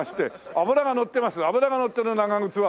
脂がのってる長靴は？